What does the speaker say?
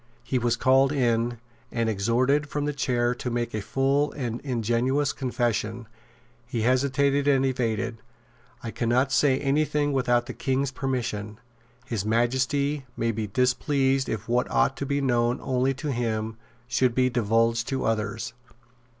He was called in, and exhorted from the chair to make a full and ingenuous confession. He hesitated and evaded. "I cannot say any thing without the King's permission. His Majesty may be displeased if what ought to be known only to him should be divulged to others."